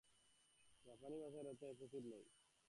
জাপানি ভাষার তো কোনো এপিসোড নেই।